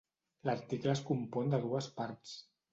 L'article es compon de dues parts.